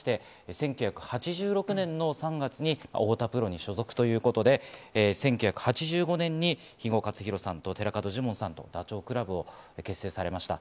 青年座を経まして１９８６年の３月に太田プロに所属ということで１９８５年に肥後克広さんと寺門ジモンさんとダチョウ倶楽部を結成されました。